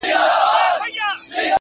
اخلاص د اړیکو قوت ساتي!